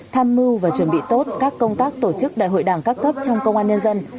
tham mưu và chuẩn bị tốt các công tác tổ chức đại hội đảng các cấp trong công an nhân dân